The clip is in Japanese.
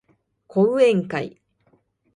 講演会